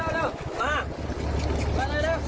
เร็วมา